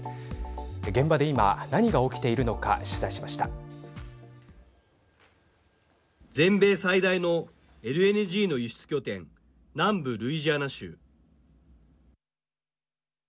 現場で今、何が起きているのか全米最大のＬＮＧの輸出拠点、南部ルイジアナ州。